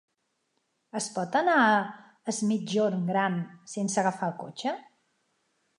Es pot anar a Es Migjorn Gran sense agafar el cotxe?